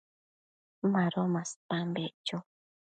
Mado maspan beccho